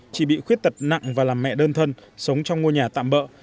chỉ bị khuyết tật nặng và làm mẹ đơn thân sống trong ngôi nhà tạm bỡ